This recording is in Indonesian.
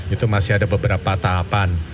itu masih ada beberapa tahapan